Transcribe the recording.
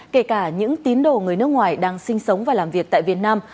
kể cả những tín đồ người nước ngoài đang sinh sống và làm việc tại việt nam